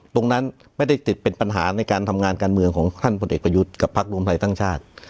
ตรงนั้นไม่ได้ติดเป็นปัญหาในการทำงานการเมืองของท่านพลเอกประยุทธ์กับพักรวมไทยสร้างชาติ